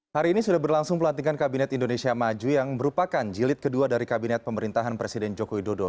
hari ini sudah berlangsung pelantikan kabinet indonesia maju yang merupakan jilid kedua dari kabinet pemerintahan presiden joko widodo